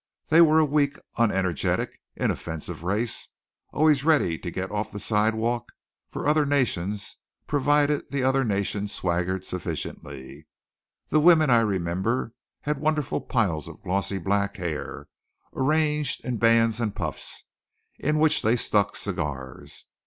They were a weak, unenergetic, inoffensive race, always ready to get off the sidewalk for other nations provided the other nations swaggered sufficiently. The women, I remember, had wonderful piles of glossy black hair, arranged in bands and puffs, in which they stuck cigars.